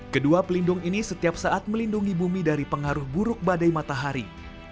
kedua pelindung ini setiap saat melindungi bumi dari pengaruh buruk badai matahari